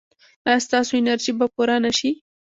ایا ستاسو انرژي به پوره نه شي؟